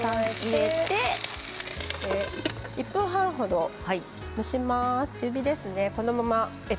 １分半程蒸します。